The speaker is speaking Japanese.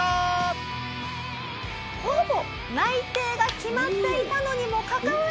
ほぼ内定が決まっていたのにもかかわらず。